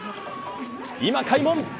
今、開門。